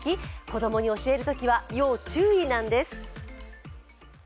子供に教えるときは要注意なんです。